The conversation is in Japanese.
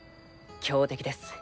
強敵です。